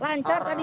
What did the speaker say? lancah tadi mudik